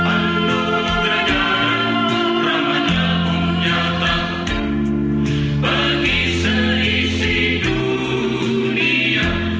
alu dagang ramanya pun nyata bagi selisih dunia